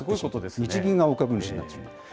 日銀が大株主になってしまった。